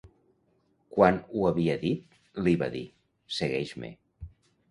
Quan ho havia dit, li va dir: segueix-me.